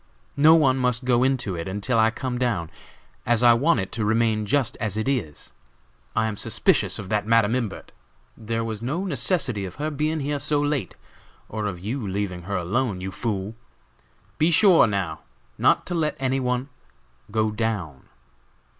No one must go into it until I come down, as I want it to remain just as it is. I am suspicious of that Madam Imbert. There was no necessity of her being here so late, or of your leaving her alone, you fool! Be sure, now, not to let any one go down!"